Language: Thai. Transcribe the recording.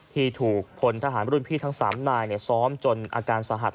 ที่ถูกพลทหารรุ่นพี่ทั้ง๓นายซ้อมจนอาการสาหัส